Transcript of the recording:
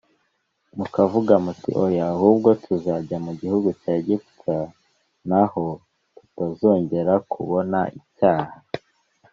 mukavuga muti oya ahubwo tuzajya mu gihugu cya Egiputa n aho tutazongera kubona icyaha